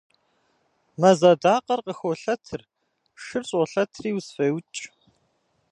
Мэз адакъэр къыхолъэтыр, шыр щӏолъэтри усфӏеукӏ.